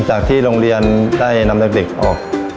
และวันนี้โรงเรียนไทรรัฐวิทยา๖๐จังหวัดพิจิตรครับ